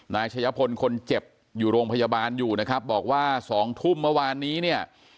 นายชะยะพลคนเจ็บอยู่โรงพยาบาลอยู่นะครับบอกว่า๒ทุ่มเมื่อวานนี้เนี่ย